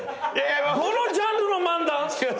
どのジャンルの漫談？